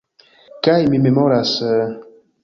Kaj mi memoras...